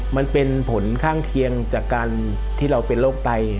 มันเป็นผลข้างเคียงจากการที่เราเป็นโรคไต